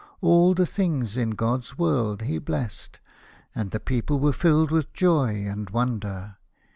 All the things in God's world he blessed, and the people were filled with joy and wonder.